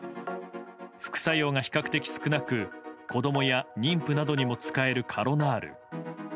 副作用が比較的少なく子供や妊婦などにも使えるカロナール。